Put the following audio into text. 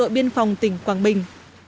đội biên phòng tỉnh quảng bình